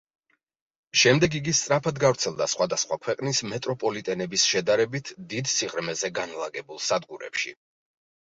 შემდეგ იგი სწრაფად გავრცელდა სხვადასხვა ქვეყნის მეტროპოლიტენების შედარებით დიდ სიღრმეზე განლაგებულ სადგურებში.